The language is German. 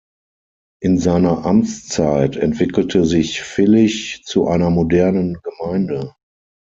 In seiner Amtszeit entwickelte sich Vilich zu einer modernen Gemeinde.